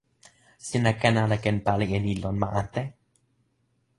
sina ken ala ken pali e ni lon ma ante?